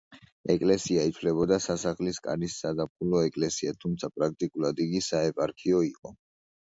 ეკლესია ითვლებოდა სასახლის კარის საზაფხულო ეკლესიად, თუმცა პრაქტიკულად იგი საეპარქიო იყო.